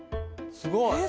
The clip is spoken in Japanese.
すごい。